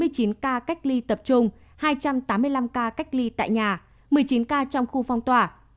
hai mươi chín ca cách ly tập trung hai trăm tám mươi năm ca cách ly tại nhà một mươi chín ca trong khu phong tỏa